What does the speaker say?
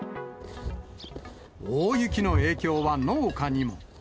大雪の影響は農家にも。